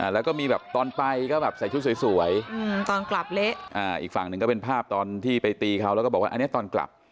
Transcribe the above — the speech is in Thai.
แล้วก็มีแบบตอนไปก็แบบใส่ชุดสวยตอนกลับเละอีกฝั่งหนึ่งก็เป็นภาพตอนที่ไปตีเขาแล้วก็บอกว่าอันนี้ตอนกลับ